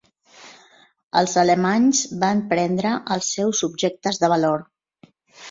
Els alemanys van prendre els seus objectes de valor.